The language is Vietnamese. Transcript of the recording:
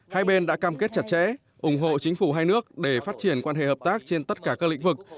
hai bên đã cam kết chặt chẽ ủng hộ chính phủ hai nước để phát triển quan hệ hợp tác trên tất cả các lĩnh vực